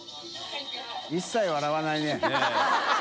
一切笑わないね。ねぇ。